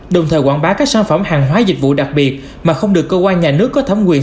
đồng thời quảng bá các sản phẩm hàng hóa dịch vụ đặc biệt mà không được cơ quan nhà nước có thẩm quyền